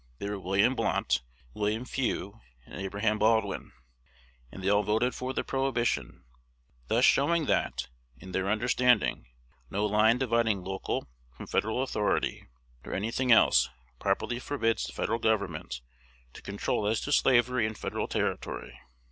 They were William Blount, William Few, and Abraham Baldwin; and they all voted for the prohibition, thus showing that, in their understanding, no line dividing local from Federal authority, nor any thing else, properly forbids the Federal Government to control as to slavery in Federal territory.